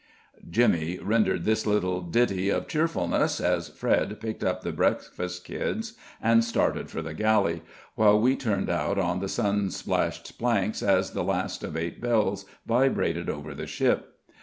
Jimmy rendered this little ditty of cheerfulness as Fred picked up the breakfast kids and started for the galley, while we turned out on the sun splashed planks as the last of eight bells vibrated over the ship.